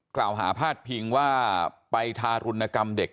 กล่าวหาพาดเพียงว่าไปทารุณกรรมเด็ก